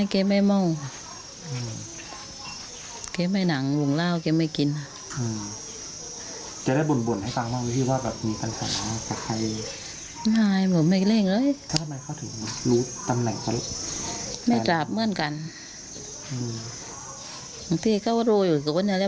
คือแบบมีคนมาชอบพี่ตัวอะไรอย่างนี้มีมั้ย